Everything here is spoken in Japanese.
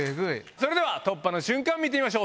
それでは突破の瞬間見てみましょう！